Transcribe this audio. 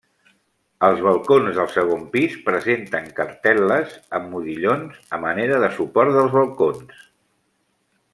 Els balcons del segon pis presenten cartel·les amb modillons a manera de suport dels balcons.